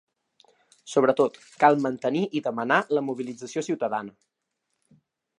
Sobretot, cal mantenir i demanar la mobilització ciutadana.